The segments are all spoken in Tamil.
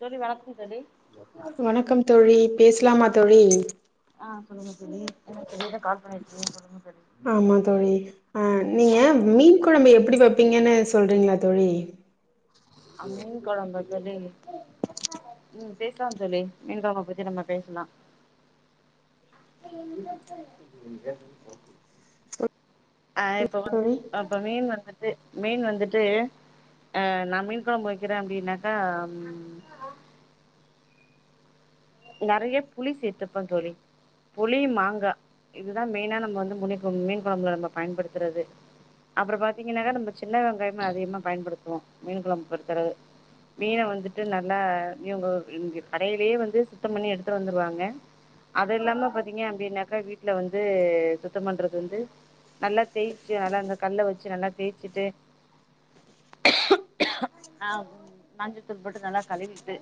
தோழி வணக்கம் தோழி வணக்கம் தோழி பேசலாமா தோழி அ சொல்லுங்க தோழி என்ன திடிருனு கால் பண்ணிருக்கீங்க சொல்லுங்க தோழி ஆமா தோழி அ நீங்க மீன் கொழம்பு எப்பிடி வெப்பீங்கன்னு சொல்றீங்களா தோழி அ மீன் குழம்பல்ல ம் பேசலாம் தோழி மீன் கொழம்பு பத்தி நம்ம பேசலா அ இப்போ வ தோழி அப்ப மீன் வந்துட்டு மீன் வந்துட்டு அ நா மீன் கொழம்பு வெக்கிற அப்டின்னாக்கா ம் நெரைய புளி சேத்துப்ப தோழி புளி மாங்கா இதுதா மெய்னா நம்ம வந்து மீன் குழம்புள நம்ம பயன்படுத்துறது அப்புற பாத்தீங்கன்னக்கா நம்ம சின்ன வெங்காயம் அதிகமா பயன்படுத்துவோ மீன் கொழம்பு பொருத்தளவு மீன வந்துட்டு நல்லா இவுங்கோ இங்க கடையிலயே வந்து சுத்தம் பண்ணி எடுத்துட்டு வந்துருவாங்க அது இல்லாம பாத்தீங்க அப்டின்னாக்கா வீட்ல வந்து சுத்தம் பண்றது வந்து நல்லா தேய்சு நல்லா இந்த கல்ல வெச்சு நல்லா தேய்ச்சுட்டு அ மஞ்சத்தூள் போட்டு நல்லா கழுவிட்டு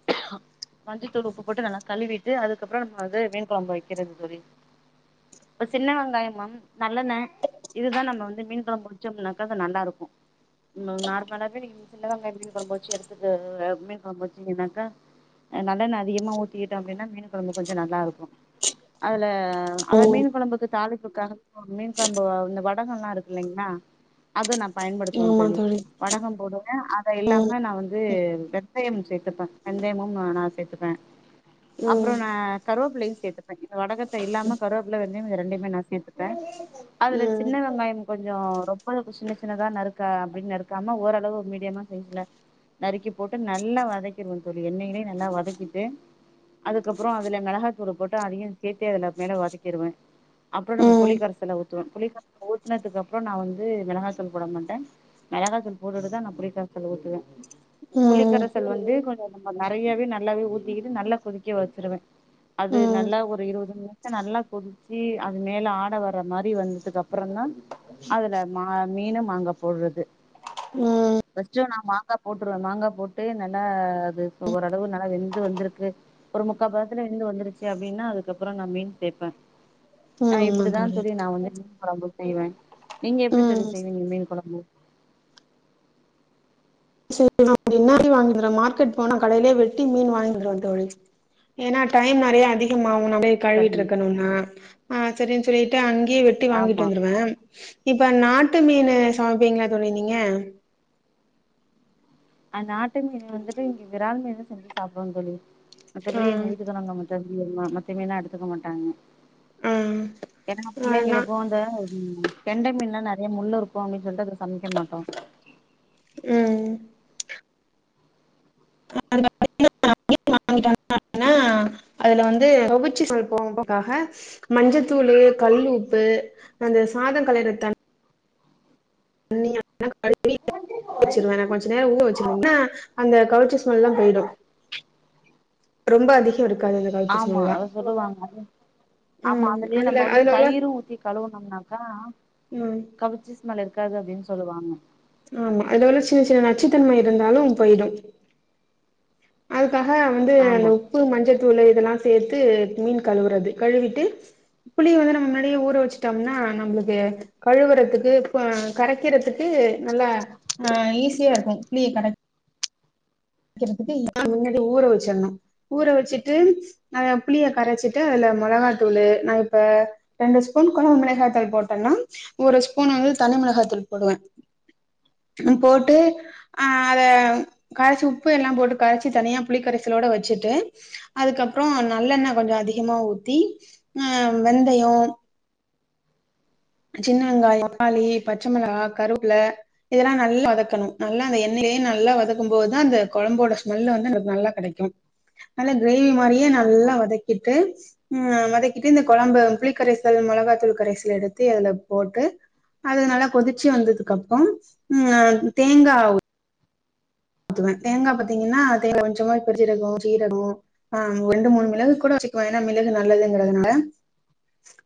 [inaudible] மஞ்சத்தூள் உப்பு போட்டு நல்லா கழுவிட்டு அதுக்கப்புற நம்ம வந்து மீன் கொழம்பு வைக்கிறது தோழி ஒரு சின்ன வெங்காயம் மேம் நல்லெண்ணெ இதுதா நம்ம வந்து மீன் கொழம்பு வேச்சோம்னாக்கா நல்லா இருக்கு நார்மலாவே நீங்க சின்னவெங்காய மீன் குழம்பு வெச்சு எடுத்துக்கு மீன் கொழம்பு வெச்சிங்கன்னாக்கா நல்லெண்ண அதிகமா ஊத்திக்கிட்டோ அப்டின்னா மீன் கொழம்பு கொஞ்சோ நல்லா இருக்கு அதுல அத ம் மீன் குழம்புக்கு தாலிப் [unintelligible] மீன் குழம்பு இந்த வடக எல்லா இருக்கு இங்களா அது நா பயன்படுத்துவ தோழி வடகம் போடுவேன் அத ம் இல்லாம நான் வந்து வெந்தயம் சேர்த்துப்பே வெந்தயமும் ந நான்சேத்தப்பே அப்ரோ ம் நான் கருவே பிள்ள சேர்த்துப்பே வடகத்த இல்லாம கருவேப்பில வெந்தய ரெண்டையுமே நான் சேர்த்துப்பே அதுல ம் சின்ன வெங்காய் கொஞ்ஜோ ரொம்ப சின்ன சின்னதா நருக்கா அப்டின்னு நறுக்காம ஓரளவு மீடியமா சைஸ்ல நறுக்கி போட்டு நல்லா வதக்கிருவே தோழி எண்ணெய்லே நல்லா வதக்கிட்டு அதுக்கப்புற அதுல மெளகாத்தூல் போட்டு அதியு சேர்த்தே அதுல மேல வதக்கிருவே அப்புற நம்ம ம் புலிக்கரசல ஊத்துவோ புலிகரசல ஊத்துனதுக்கு அப்புற நா வந்து மெளகாதூல் போட மாட்டே மெளகாதூல் போட்டுட்டுதா நான் புளிக்கரசல் ஊத்துவே ம் ம் புளிக்கரசல் வந்து கொஞ் நறையாவே நல்லாவே ஊத்திக்கிட்டு நல்லா கொதிக்க வச்சிருவே அது நல்லா ஒரு இருபது நிமிஷ நல்லா கொதிச்சு அது மேல ஆட வர்ர மாரி வந்ததுக்கு அப்பற தா அதுல மா மீன் மாங்கா போடுறது ம் ஃபஸ்ட்டு நா மாங்கா போட்ருவ மாங்கா போட்டு நல்லா ஓரளவு நல்லா வெந்து வந்திருக்கு ஒரு முக்கா பதத்துல வேந்து வந்துருச்சு அப்டின்னா அதுக்கப்புற நான் மீன் தே ப ஆ இப்டிதா தோழி நா வந்து மீன் கொழம்பு செய்வே நீங்க எப்டி தோழி ம் செய்வீங்க மீன் கொழம்பு [unintelligible] மார்க்கெட் போனா கடையிலே வெட்டி மீன் வாங்கிட் வந்துருவ தோழி ஏன்னா டைம் நெறைய அதிகமா [unintelligible] கழுவிட்டு சரிங்க இருக்கணும்னா ஆ சரின்னு சொல்லிட்டு அங்கேயே வெட்டி வாங்கிட்டு ஆமா வந்துருவே இப்ப நாட்டு மீன் சமைப்பீங்கலா தோழி நீங்க அ நாட்டு மீன் வந்துட்டு இங்க விரால் மீன் செஞ்சு சாப்டுவ தோழி ஆ மத்தபடி எங்க வீட்டுக்காரங்க [unintelligible] மத்த மீன்ல எடுத்துக்க மாட்டாங்க ஆ என்னனா ஆனா பிள்ளைங்கலுக்கு இந்த ம் கெண்ட மீன்ல நெறைய முள்ளு இருக்கு அப்டின்னு சொல்ட்டு சமைக்கமாட்டோ ம் [unintelligible] அதுல வந்து கவுச்சி ஸ்மெல் போ [unintelligible] காக மஞ்சத்தூள் கல்லூப்பு அந்த ச சாத கலைரத்தண் [unintelligible] கழுவி வெச்சிருவே கொஞ்ச நேர ஊரா வெச்சிருந்தன்னா அந்த கவ்ச்சி ஸ்மெல்ல்லா போயிடு ரொம்ப அதி ஆமா அத சொல்லுவாங்க ஆமா ம் அதுலயே நம்ம அதுல வந்து அதுல உள்ள தயிர் ஊத்தி கழுவுனும்னாக்கா ம் கவிச்சி ஸ்மெல் இருக் இருக்காது அப்படின்னு சொல்லுவாங்க ஆமா அதவல சின்ன சின்ன நச்சுத்தன்மை இருந்தாலும் போயிடு அ வந்து அந்த ஆமா உப்பு மஞ்சள்த்தூள் இதெல்லாம் சேர்த்து மீன் கழுவுறது கழுவிட்டு புளியை வந்து நம்ம முன்னாடியே ஊற வச்சுட்டோம்னா நம்மளுக்கு கழுகுறதுக்கு கரைக்கிறதுக்கு நல்லா ஆ ஈஸியா இருக்கும் க்க முன்னாடியே ஊற வச்சிரு ஊற வச்சுட்டு புளிய கரைச்சிட்டு அதுல மிளகா தூள் நான் இப்ப ரெண்டு ஸ்பூன் குழம்பு மிளகாய்த்தூள் போட்டேன்னா ஒரு ஸ்பூன் வந்து த மிிளகதூள் போடுவே போட்டு அத கசி உப்பு எல்லாம் போட்டு கரைச்சி தனியாக புளிக்கரைசலோடு வச்சுட்டு அதுக்கப்புறம் நல்லெண்ணய் கொஞ்சம் அதிகமாக ஊத் தி ஆ வெந்தயம் சின்ன வெங்காய் தக்காளி பச்சைமிிளகா கருவப்பள இதெல்லா நல்லா வதக்கணும் நல்லா அந்த எண்ணெய் எ நல்லா வதக்கும் போதுதான் அந்த குழம்போட ஸ்மெல்லு வந்து எனக்கு நல்லா கிடைக்கும் கிரேவி மாரியே ஆமா நல்லா வதக்கிட்டு ம் வதக்கிட்டு இந்த குழம்பு புளிக்கரைசல் மிளகாத்தூள் கரைசல் எடுத்து இதுல போட்டு அது நல்லா கொதிச்சு வந்ததுக்கு அப்புறம் ம் தேங்கா ஆவு தேங்கா பாத்தீங்கன்னா தேங்கா கொஞ்சமா பெருச்சரக சீரக ஆ ரெண்டு மூணு மிளகு கூட சிக்கோ ஏன்னா மிளகு நல்லதுங்கிறதுனால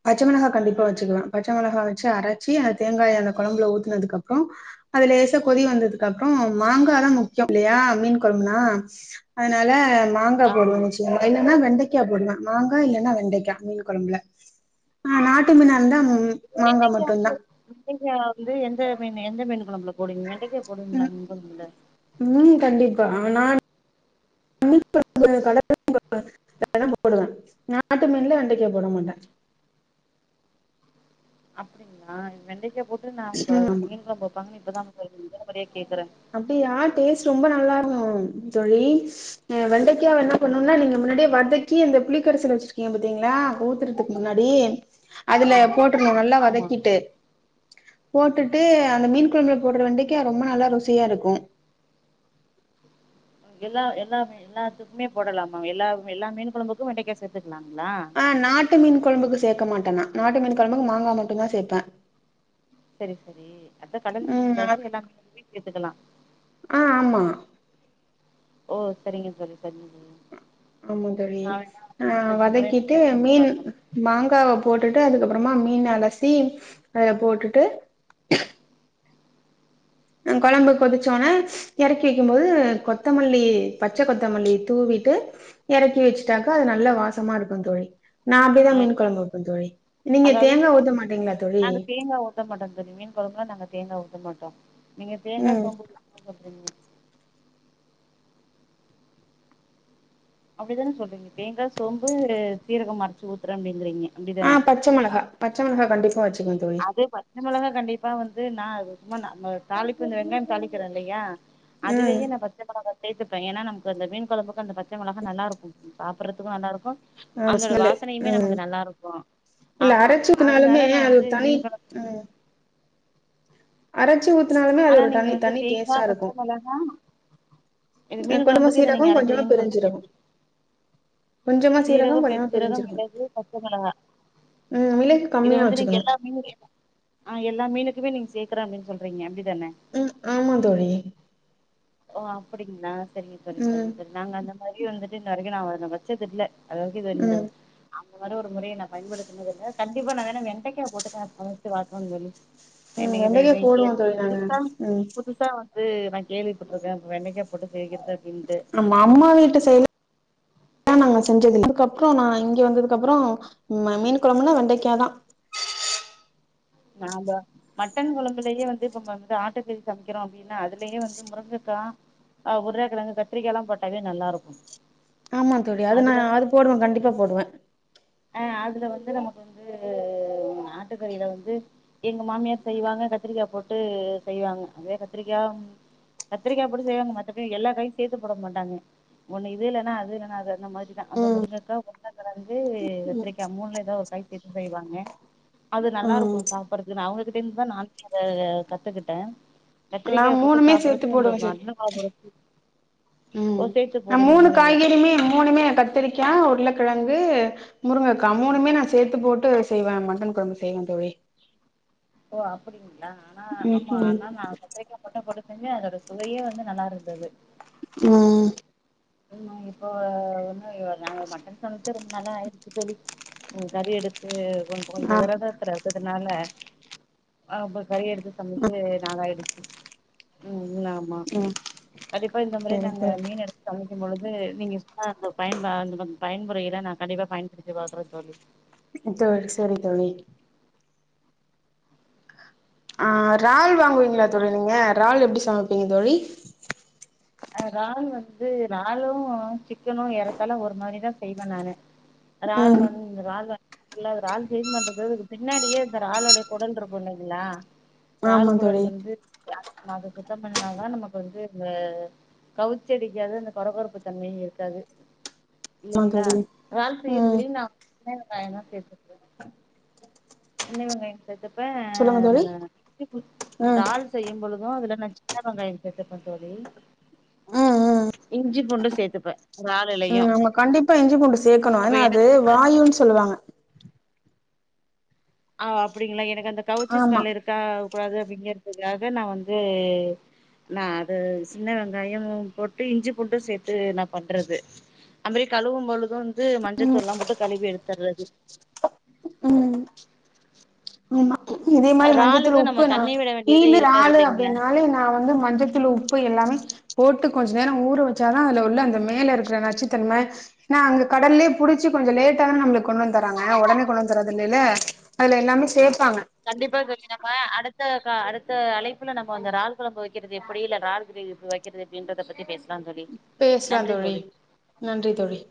பச்ச மிளகா கண்டிப்பா வச்சுக்குலா பச்ச மிளகா வச்சு அரைச்சி அந்த தேங்காய் அந்த கொழம்புல ஊத்துனதுக்கப்புற அதுல லேச கொதி வந்ததுக்கு அப்புற மாங்காலா வெசொ இல்லையா மீன் கொழம்புலா அதனால மாங்கா போடுவோ ஆமா நிச்சயமா இல்லன்னா வெண்ட க்க போடுவே மாங்கா இல்லைன்னா வெண்டைக்கா மீன் கொழம்புல ஆ நாட்டு மீனா இருந்தா மாங்கா வெண்டைக்கா மட்டுந்தா வந்து வெண்டைக்கா வந்து எந்த மீன்னு எந்த மீன் கொழம்புல போடுங்க வெண்டக்கே போடுவீங்களா நீ போடுல ஆ நான் [unintelligible] [unintelligible] கட போடுவே நாட்டு மீன்லே வெண்டைக்க போட மாட்டே [inaudible] அப்படிங்களா வெண்டைக்கா போட்டு நா இப்ப ம் ஆமா மீன் கொழம்பு வெப்பாங்கன்னு இப்பதா [unintelligible] முதன் முறையா கேக்குறே அப்படியா டேஸ்ட் ரொம்ப நல்லாருக்கு தோழி வெண்டைக்காவ என்ன பண்ணும்னா நீங்க முன்னாடியே வதக்கி அந்த புளிக்கரசல வச்ச எ பாத்தீங்களா ஊத்துறதுக்கு முன்னாடி அதுல போட்டுறணு நல்லா ஆமா வதக்கிட்டு போட்டுட்டு அந்த மீன் கொழம்புல போடுற வண்டைக்க ரொம்ப நல்லா ரு சியா இருக்கு எல்லா எல்லாமே எல்லாத்துக்குமே போடலாம எல்லா எல்லா மீன் கொழம்புக்கு வெண்டைக்க சேத்து ஆ நாட்டு மீன் கொழம்புக்கு சேக்க மாட்டேனா நாட்டு மீன் கொழம்புக்கு மாங்கா மட்டுந்தா சேப்பே சரி சரி அத கடல் மீன் இல்ல அ எல்லா மீனுமே சேத்துக்கலா ஆ ஆமா ஓ சரிங்க தோழி சரிங்க தோழி ஆமா தோழி நா வேணா ஆ இந்த முறை நான் வதக்கிட்டு பயன்படுத்தி மீன் பார்க்குறேன் மாங்காவ போட்டுட்டு அதுக்கு அப்புறமா மீன் அலசி அதுல போட்டுட்டு ஆ கொழம்பு கொதிச்சோனே எறக்கி வைக்கும்போது கொத்தமல்லி பச்ச கொத்தமல்லி தூவி ட்டு எறக்கி வச்சுட்டாக்க அது நல்ல வாசமா இருக்கு தோழி நா அப்படிதா மீன் ஆ கொழம்பு வைப்பே தோழி நீங்க அதாவது தேங்கா ஊத்த மாட்டீங்களா தோழி நாங்க தேங்கா ஊத்த மாட்டோ நீங்க தேங்கா ம் [unintelligible] அப்டிதானே சொல்றீங்க தேங்கா சோம்பு சீரகம் அறைச்சு ஊத்துறே அப்டிங்கறீங்க ஆ பச்ச மொளகா பச்சை மொளகா கண்டிப்பா வச்சு அது பச்ச மொளகா கண்டிப்பா வந்து நா சும்மா நா நம்ம தாளிப்பு இந்த வெங்காயம் தாளிக்கிற இல்லையா ம் அதுலயே ந பச்ச மொளகா சேத்துப்பே ஏன்னா நமக்கு அந்த மீன் கொழம்புக்கு அந்த பச்ச மெளகா நல்லாருக்கு சாப்பறதுக்கு நல்லாருக்கு ஆமா அந்தோட ஸ்மெல்லு வாசனையுமே ம் நமக்கு நல்லா இருக்கு ஆமா அதனால நா வந் தாலி ம் அரஞ் ஆனா நீங்க வந்து தேங்கா பச்ச மொளகா மீன் கொஞ்சமா கொழம்புக்கு இத சீரகோ நீங்க கொஞ்சமா அரக்றீங்கன்னு சொல்றீங்க பெருஞ்சீரகோ கொஞ்சமா சீரகோ கொஞ்சமா பெருஞ் சீரகோ பெருஞ்சீரகோ மிளகு பச்ச மெளகா ம் மிளகு இத கம்மியா வந்து நீங்க வச்சுக்கணு எல்லாமியு ஆ எல்ல மீனுக்குமே நீங்க சேக்ற அப்டினு சொல்றீங்க அப்டி ம் ஆமா தோழி ஓ அப்டிங்ளா சரிங்க தோழி ம் சரிங்க தோழி நாங்க அந்த மாரியே வந்துட்டு இன்ன வரக்கு நா அத வச்சதுல்ல அது வரைக்கு இது இந்த ம் ந்த மாரி ஒரு முறைய நா பயன்படுத்துனதுல்ல கண்டிப்பா நா வேன்னா வெங்கா போட்டு வதக்கனு தோழி ம் இன்னைக்கு வெண்டைக்கா போடுவோ தோழி [unintelligible] நாங்க புதுசா ம் புதுசா வந்து நா கேள்விப்பட்டுருக்கே வெண்டைக்கா போட்டு செய்றத அம்ம அம்மா வீட்டு சய்ட்ல நாங்க செஞ்சதுல்ல அதுக்கப்றோ நா இங்க வந்ததுக்கப்றோ ம மீன் கொழம்புனா வெண்டைக்காய் தா [inaudible] நாம்ப மட்டன் கொழம்புலயே வந்து இப்போ வந்து ஆட்டுக்கறி சமைக்கிறோ அப்டின்னா அதுலயே வந்து முருங்கக்கா அ உருளகெழங்கு கத்ரிக்கால்லா போட்டாவே நல்லாருக்கு ஆமா தோழி அது நா அது போடுவே கண்டிப்பா போடுவே ஹ அதுல வந்து நமக்கு வந்து ஆட்டுக்கறியில வந்து எங்க மாமியார் செய்வாங்க கத்ரிக்கா போட்டு செய்வாங்க அதே கத்ரிக்கா கத்ரிக்கா போட்டு செய்வாங்க மத்தபடி எல்லா காயு சேத்து போட மாட்டாங்க ஒண்ணு இது இல்ன்னா அது இல்லனா அது அந்த மாதிரிதா அந்த முருங்கக்கா ஊருலளகெழங்கு கத்ரிக்கா மூன்ல எதோ ஒரு காய் சேத்து செய்வாங்க அது ம் நல்லாருக்கு சாப்டறது நா அவங்க கிட்ட இருந்துதா நான் இத கத்துக்கிட்ட நா கத்ரிக்கா போட்டு மூணுமே சேத்து சாப்பிடறக்கு இந்த போடுவே சேத் மட்டன் குழம்பு ரூசி ம் நா மூணு காய்கறியுமே மூணுமே கத்ரிக்கா உருளக் கிழங்கு முருங்கக்கா மூனுமே நா சேத்து போட்டு போட்டு செய்வே மட்டன் கொழம்பு செய்வ தோழி ஓ அப்டிங்களா ஆனா ம் ஆமா ம் ஆனா நா கத்ரிக்கா மட்டு போட்டு அப்போ வந்து அதோட சுவையே வந்து நல்லா இருந்தது ம் உ இப்போ ஒன்னு நாங்க மட்டன் சமச்சே ரொம் நாளா ஆயிடுச்சு தோழி கறி எடுத்து கொஞ்சோ கொஞ்சோ ஆ விரதத்துல னால அப்ப கறி எடுத்து சமைக்கவே நாளாயிடுச்சு ம் ஆமா ம் கண்டிப்பா இந்த முறை சரி நாங்க தோழி மீன் எடுத் செய்யும் பொழுது நீங்க சொன்ன அந்த பயன்பா அந்த பயன்முறையில நா கண்டிப்பா பயன்படுத்தி பாக்குறே தோழி [unintelligible] சேரி தோழி ஆ இறால் வாங்குவீங்களா ஆ தோழி நீங்க இறால் எப்டி சமப்பீங்க தோழி ஆ இறால் வந்து இறாலு சிக்கனு ஏறத்தால ஒரு மாரிதா செய்வ நானு இறால் ம் வந்து இறால்வ இல்ல அது இறால் க்ளீன் பண்றது பின்னாடியே இந்த இறாலோட கொடல் இருக்குள்ளைங்களா ஆமா இறால் குடல் தோழி வந்து [unintelligible] அத சுத்தோ பண்ணுன தா நமக்கு வந்து இந்த கவுச்சடிக்காது அந்த கொற கொறுப்பு தன்மையு இருக்காது ஆமா இல்லலைங்களா தோழி இறால் ம் செய்யறதுலயையு நா சின்ன வெங்காயோளா சேத்ருக்கே [unintelligible] சின்ன வெங்காயோ சேத்துப்பே சொல்லுங்க தோழி நானு [unintelligible] ம் இறால் செய்யு பொழுது அதுல நான் சின்ன வெங்காயோ சேதுப்பா தோழி ஆ இஞ்சி பூண்டு சேத்துப்பே ஆ இறாலுலயு நம்ம கண்டிப்பா இஞ்சி பூண்டு சேக்கணு அப்ப ஆன அது எனக்கு வாயு சொல்வாங்க ஆஹ் அப்டிங்களா எனக்கு அந்த கவுச்சி ஆமா ஸ்மெல் இருக்கா கூடாது அப்டிங்கறதுக்காக நா வந்து நா அது சின்ன வெங்காயோ போட்டு இஞ்சி பூண்டு சேத்து நா பண்றது அதுமாரி கழுவு பொழுது வந்து மஞ்சத்தூள போட்டு கழுவி எடுத்துடுறது உம் இதே மாரி இறாலுக்கு மஞ்சத்தூள் நம்ம உப்பு நா தண்ணி விட வேண்டியதே வந்து இருக்காது ளு இல்லைங்களா அப்டின்னாலே நா வந்து மஞ்சத்தூள் உப்பு எல்லா மே போட்டு கொஞ்ச நேர ஊற வச்சா தா அது உள்ள அந்த மேல இருக்கிற நச்சுத்தன்ம அங்கே கடல்லேயே புடிச்ச கொஞ்ச லேட் டாதான நம்மளுக்கு கொண்டு வந்து தராங்க உடனே கொண்டு வந்து தரது இல்லைல அதுல எல்லாமே சேப்பாங்க கண்டிப்பா தோழி நம்ம அடுத் த க அடுத்த அழைப்புல நம்ம அந்த இறால் குழம்பு வைக்கிறது எப்டி இல்ல இறால் கிரேவி எப்டி வைக்கிறது எப்டின்றத பத்தி பேச பேசலா தோழி நன்றி தோழி